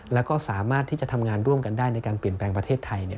แล้วก็สามารถที่จะทำงานร่วมกันได้ในการเปลี่ยนแปลงประเทศไทย